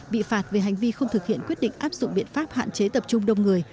bị phạt về hành vi không thực hiện quyết định áp dụng biện pháp hạn chế tập trung đông người